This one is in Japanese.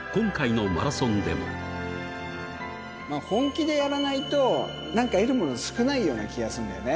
それは、本気でやらないと、なんか得るもの少ないような気がするんだよね。